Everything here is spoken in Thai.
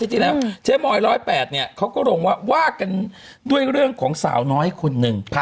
เจ้าหมอย๑๐๘เขาก็ว่ากันด้วยเรื่องของสาวน้อยคนหนึ่ง